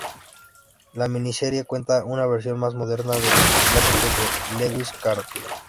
La miniserie cuenta una versión más moderna de los clásicos de Lewis Carroll.